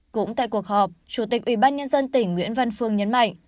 cũng tại cuộc họp chủ tịch ubnd tỉnh nguyễn văn phương nhấn mạnh